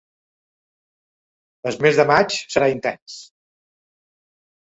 El mes de maig serà intens.